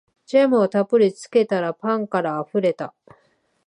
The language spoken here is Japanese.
ジャムをたっぷりつけたらパンからあふれた